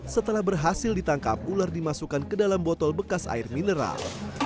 setelah berhasil ditangkap ular dimasukkan ke dalam botol bekas air mineral